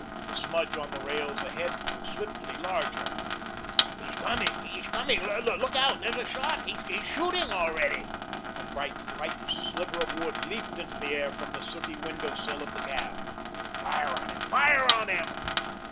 The smudge on the rails ahead grew swiftly larger. "He's coming. He's coming look out, there's a shot. He's shooting already." A bright, white sliver of wood leaped into the air from the sooty window sill of the cab. "Fire on him! Fire on him!"